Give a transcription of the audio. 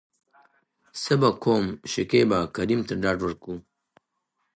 څه به کوم.شکيبا کريم ته ډاډ ورکو .